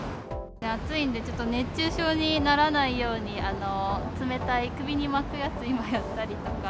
暑いんで、ちょっと熱中症にならないように、冷たい首に巻くやつ、今やったりとか。